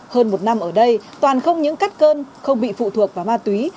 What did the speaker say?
hơn một năm ở đây toàn không những cắt cơn không bị phụ thuộc vào ma túy